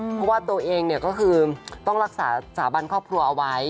เพราะว่าตัวเองก็คือต้องรักษาสาบันครอบครัวเอาไว้